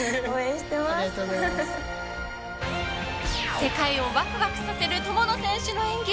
世界をワクワクさせる友野選手の演技。